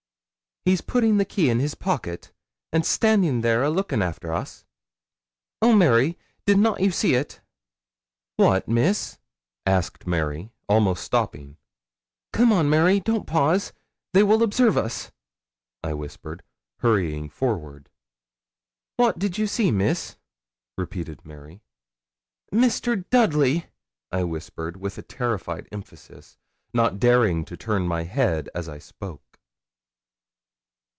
'He's putting the key in his pocket, and standin' there a lookin' after us.' 'Oh, Mary, did not you see it?' 'What, Miss?' asked Mary, almost stopping. 'Come on, Mary. Don't pause. They will observe us,' I whispered, hurrying her forward. 'What did you see, Miss?' repeated Mary. 'Mr. Dudley,' I whispered, with a terrified emphasis, not daring to turn my head as I spoke.